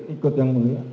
ikut yang mulia